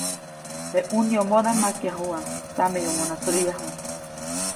Teʼ ʼunyomodaʼm makyajuʼa, tsameyomona tsäʼyaju.